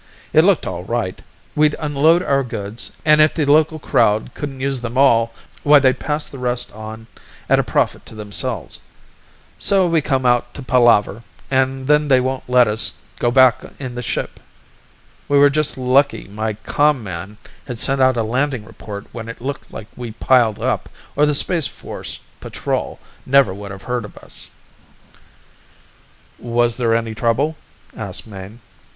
It looked all right. We'd unload our goods, an' if the local crowd couldn't use them all, why they'd pass the rest on at a profit to themselves. So we come out to palaver, an' then they won't let us go back in the ship. We were just lucky my com man had sent out a landing report when it looked like we piled up, or the Space Force patrol never woulda heard of us." "Was there any trouble?" asked Mayne.